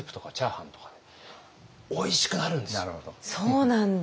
そうなんだ。